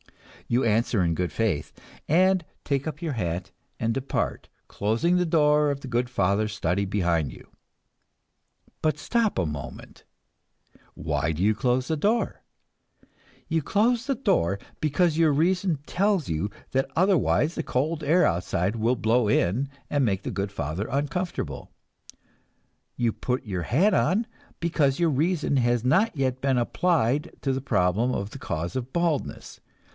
You answer in good faith, and take up your hat and depart, closing the door of the good father's study behind you. But stop a moment, why do you close the door? You close the door because your reason tells you that otherwise the cold air outside will blow in and make the good father uncomfortable. You put your hat on, because your reason has not yet been applied to the problem of the cause of baldness.